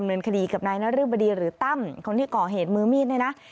เงินคดีกับนายนรึบดีหรือตั้มคนที่ก่อเหตุมือมีดเนี่ยนะ